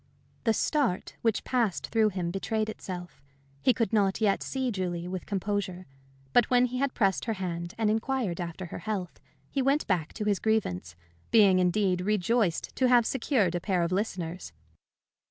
The start which passed through him betrayed itself. He could not yet see Julie with composure. But when he had pressed her hand and inquired after her health, he went back to his grievance, being indeed rejoiced to have secured a pair of listeners.